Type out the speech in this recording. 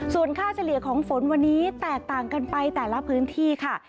ส่วนค่าเฉลี่ยของฝนวันนี้แตกต่างกันไปแต่ละพื้นที่ค่ะ